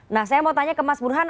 nah saya mau tanya ke mas burhan